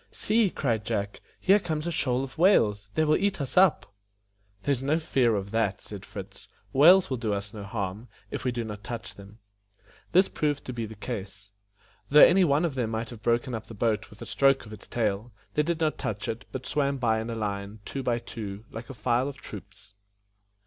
"See!" cried Jack, "here comes a shoal of whales. They will eat us up." "There is no fear of that," said Fritz; "whales will do us no harm, if we do not touch them." This proved to be the case. Though any one of them might have broken up the boat with a stroke of its tail, they did not touch it, but swam by in a line, two by two, like a file of troops.